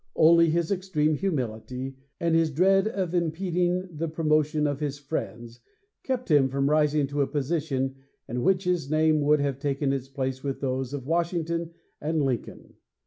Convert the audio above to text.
Only his extreme humility, and his dread of impeding the promotion of his friends, kept him from rising to a position in which his name would have taken its place with those of Washington and Lincoln.